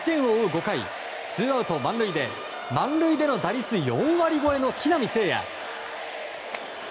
５回ツーアウト満塁で満塁での打率４割超えの木浪聖也。